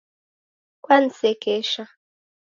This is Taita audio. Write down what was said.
Kwanisekesha.